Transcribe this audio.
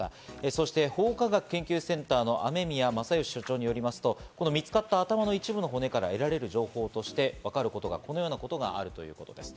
そして法科学研究センターの雨宮正欣所長によりますと、この見つかった頭の一部の骨から得られる情報としてわかることがこのようなことがあるということです。